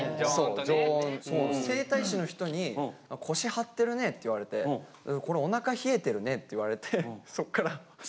整体師の人に「腰張ってるね」って言われて「これおなか冷えてるね」って言われてそっから。